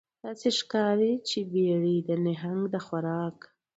داسې ښکاري چې بیړۍ د نهنګ د خوراک